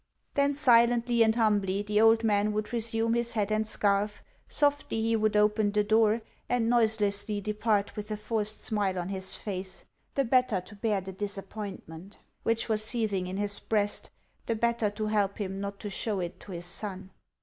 Then silently and humbly the old man would resume his hat and scarf; softly he would open the door, and noiselessly depart with a forced smile on his face the better to bear the disappointment which was seething in his breast, the better to help him not to show it to his son.